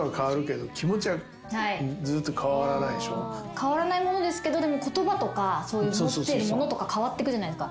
変わらないものですけどでも言葉とか持ってるものとか変わってくじゃないですか。